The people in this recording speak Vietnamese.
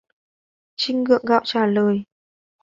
Tring gượng gạo trả lời